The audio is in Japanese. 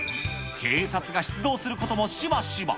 警察が出動することもしばしば。